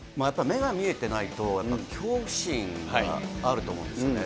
やっぱり目が見えてないと、恐怖心があると思うんですよね。